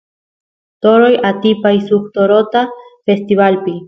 toroy atipay suk torota festivalpi